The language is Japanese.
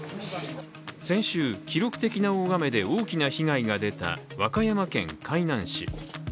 先週、記録的な大雨で大きな被害が出た和歌山県海南市。